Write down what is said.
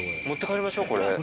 持って帰りましょこれ。